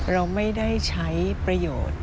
เราไม่ได้ใช้ประโยชน์